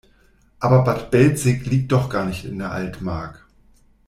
Aber Bad Belzig liegt doch gar nicht in der Altmark.